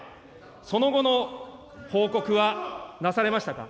その後の報告はなされましたか。